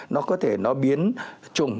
nó có thể nó biến trùng